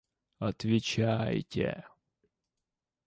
Отвечайте.